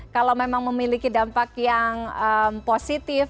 kalau memang memiliki dampak yang positif